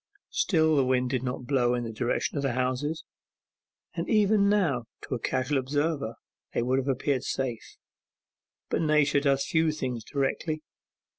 Still the wind did not blow in the direction of the houses, and even now to a casual observer they would have appeared safe. But Nature does few things directly.